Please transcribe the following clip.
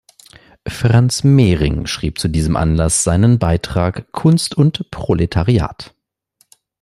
Franz Mehring schrieb zu diesem Anlass seinen Beitrag "Kunst und Proletariat.